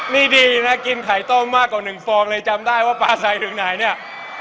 นี่ดีนะกินไข่ต้มมากกว่า๑ฟองเลยจำได้ว่าปลาใส่ถึงไหนเนี่ย